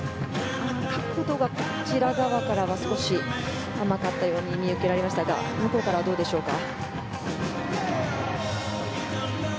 角度がこちら側からは、少し甘かったように見えましたが向こうからはどうでしょうか。